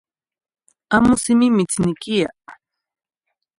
Amo simi niquiquixquia.